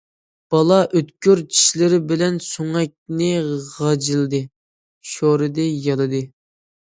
بالا ئۆتكۈر چىشلىرى بىلەن سۆڭەكنى غاجىلىدى، شورىدى، يالىدى.